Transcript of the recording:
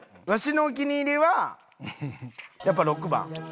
わしのお気に入りはやっぱ６番。